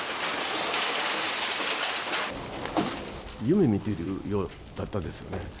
夢見てるようだったですね。